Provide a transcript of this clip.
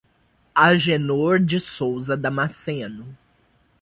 Agenor de Souza Damasceno